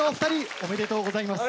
ありがとうございます。